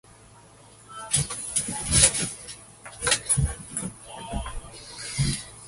Fire services are provided by Los Angeles County Fire Department.